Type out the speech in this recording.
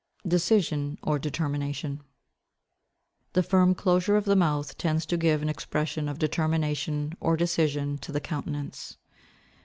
Decision or determination.—The firm closure of the mouth tends to give an expression of determination or decision to the countenance.